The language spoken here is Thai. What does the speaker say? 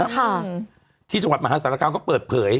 ค่ะที่จังหวัดมหาสารคามก็เปิดเผย